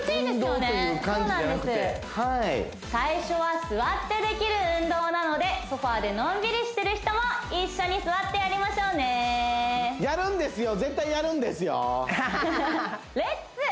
運動という感じじゃなくてはい最初は座ってできる運動なのでソファーでのんびりしてる人も一緒に座ってやりましょうねやるんですよ絶対やるんですよ！